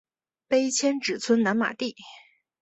碑迁址村南马地。